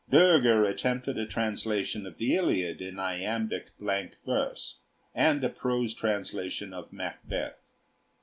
Bürger attempted a translation of the Iliad in iambic blank verse, and a prose translation of 'Macbeth.'